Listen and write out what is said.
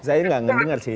saya gak ngedengar sih